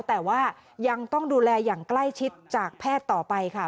แต่ว่ายังต้องดูแลอย่างใกล้ชิดจากแพทย์ต่อไปค่ะ